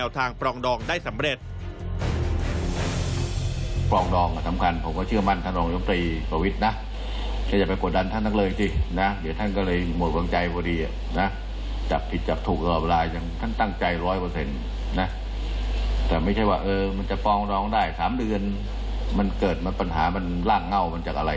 แต่ไม่ใช่ว่ามันจะฟ้องร้องได้๓เดือนมันเกิดมาปัญหามันร่างเง่ามันจากอะไร